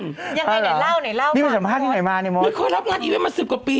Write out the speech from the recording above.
อย่างไรไหนเล่ามาไม่เคยรับงานอีเว้นมา๑๐กว่าปี